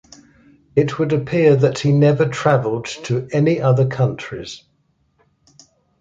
It would appear that he never travelled to any other countries.